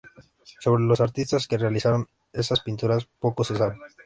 Sobre los artistas que realizaron esas pinturas poco se sabe.